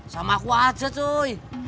sama aku aja cuy